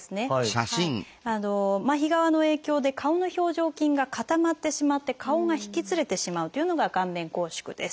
麻痺側の影響で顔の表情筋が固まってしまって顔が引きつれてしまうというのが顔面拘縮です。